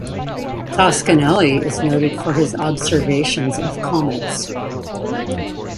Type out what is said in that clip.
Toscanelli is noted for his observations of comets.